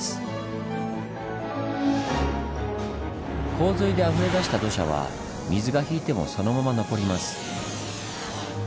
洪水であふれ出した土砂は水が引いてもそのまま残ります。